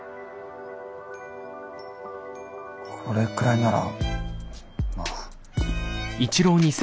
これくらいならまあ。